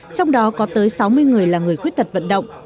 trong đó có tới sáu mươi người là người khuyết tật vận động